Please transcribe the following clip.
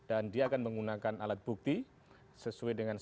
dan dia akan menggunakan alat bukti sesuai dengan satu ratus delapan puluh empat